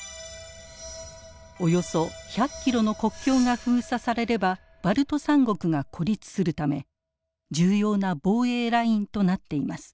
およそ１００キロの国境が封鎖されればバルト三国が孤立するため重要な防衛ラインとなっています。